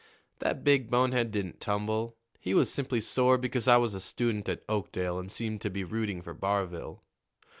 That big bonehead didn't tumble. He was simply sore because I was a student at Oakdale and seemed to be rooting for Barville.